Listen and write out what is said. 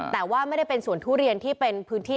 แต่ว่าไม่ได้เป็นสวนทุเรียนที่เป็นพื้นที่